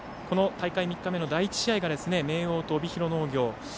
大会３日目の第１試合が明桜と帯広農業。